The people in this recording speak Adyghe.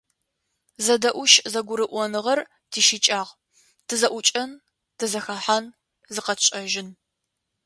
Зэдэӏужь-зэгурыӏоныгъэр тищыкӏагъ: тызэӏукӏэн, тызэхэхьан, зыкъэтшӏэжьын…